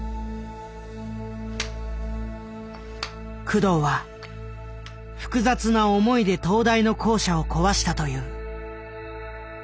工藤は複雑な思いで東大の校舎を壊したという。